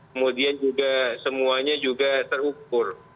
kemudian juga semuanya juga terukur